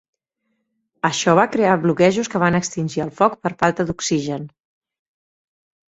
Això va crear bloquejos que van extingir el foc per falta d'oxigen.